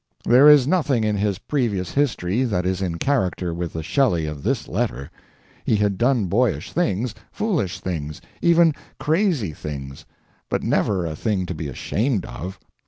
There is nothing in his previous history that is in character with the Shelley of this letter. He had done boyish things, foolish things, even crazy things, but never a thing to be ashamed of.